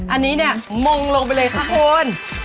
อันนี้เนี่ยมงลงไปเลยค่ะคุณ